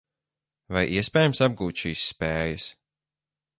Vai iespējams apgūt šīs spējas?